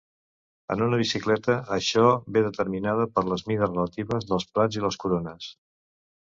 En una bicicleta, això ve determinada per les mides relatives dels plats i les corones.